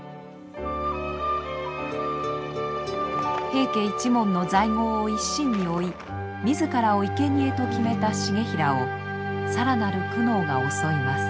平家一門の罪業を一身に負い自らを生贄と決めた重衡を更なる苦悩が襲います。